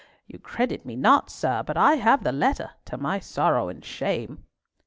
You credit me not, sir, but I have the letter—to my sorrow and shame."